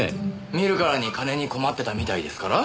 見るからに金に困ってたみたいですから。